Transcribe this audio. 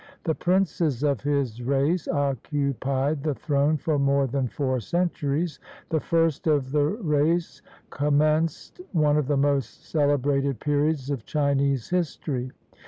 The princes of his race occupied the throne for more than four centuries. The first of the race commenced one of the most celebrated periods of Chinese history.